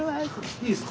いいっすか？